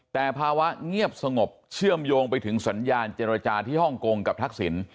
แต่ภาวะเงียบสงบเชื่อมโยงไปถึงสัญญาณเจรจาที่ฮ่องกงกับทักษิณ